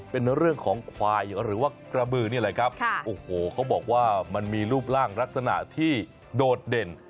เป็นเรื่องของควายหรือว่ากระบือนี่แหละครับโอ้โหเขาบอกว่ามันมีรูปร่างลักษณะที่โดดเด่น